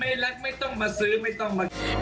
รักไม่ต้องมาซื้อไม่ต้องมา